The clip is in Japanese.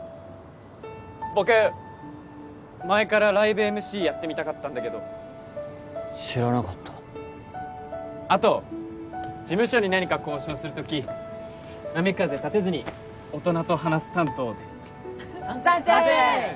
僕前からライブＭＣやってみたかったんだけど知らなかったあと事務所に何か交渉する時波風たてずに大人と話す担当で賛成！